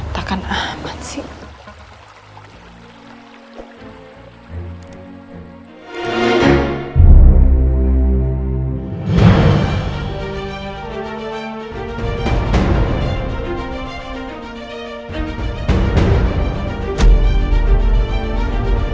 takkan aman sih